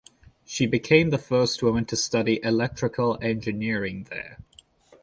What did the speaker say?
She became the first woman to study electrical engineering there.